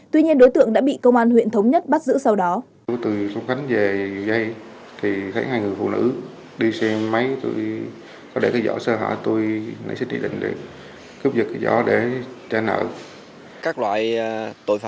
tuy nhiên đối tượng đã bị công an huyện thống nhất bắt giữ sau đó